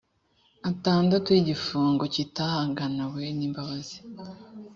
atandatu y igifungo kitahanagawe n imbabazi